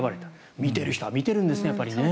見てる人は見てるんですね。